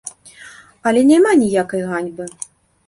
Але няма ніякай ганьбы.